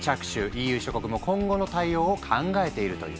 ＥＵ諸国も今後の対応を考えているという。